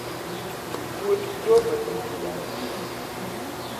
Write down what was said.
ورچ زۆر مەترسیدارە.